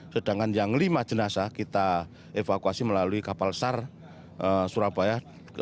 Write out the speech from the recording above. sedangkan yang lima jenasa kita evakuasi melalui kapal sar surabaya dua ratus dua puluh lima